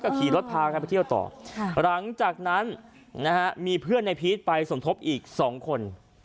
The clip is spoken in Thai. ขี่รถพากันไปเที่ยวต่อหลังจากนั้นนะฮะมีเพื่อนในพีชไปสมทบอีก๒คน